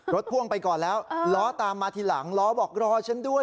พ่วงไปก่อนแล้วล้อตามมาทีหลังล้อบอกรอฉันด้วย